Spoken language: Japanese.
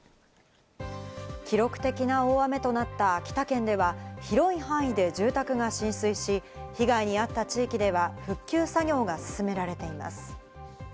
記録的な大雨となった秋田県では広い範囲で住宅が浸水し、被害に遭った地域では復旧作業が進められています。